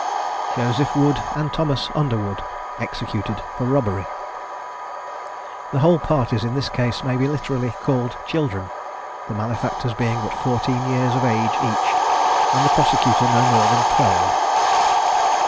JOSEPH WOOD AND THOMAS UNDERWOOD, EXECUTED FOR ROBBERY. The whole parties in this case may be literally called children, the malefactors being but fourteen years of age each; and the prosecutor no more than twelve!